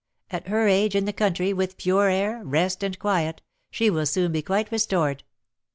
At her age, in the country, with pure air, rest, and quiet, she will soon be quite restored."